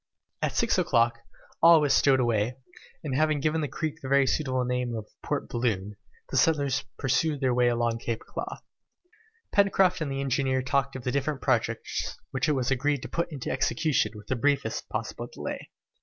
At six o'clock, all was stowed away, and after having given the creek the very suitable name of "Port Balloon," the settlers pursued their way along Claw Cape. Pencroft and the engineer talked of the different projects which it was agreed to put into execution with the briefest possible delay.